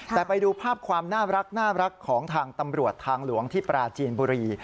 แต่ไปดูภาพความน่ารักของทางตำรวจทางหลวงที่ปราจีนบุรี